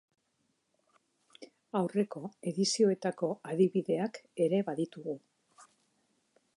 Aurreko edizioetako adibideak ere baditugu.